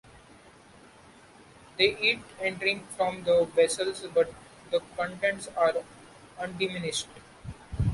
They eat and drink from the vessels, but the contents are undiminished.